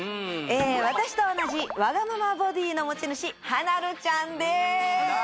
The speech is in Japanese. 私と同じわがままボディーの持ち主はなるちゃんです誰？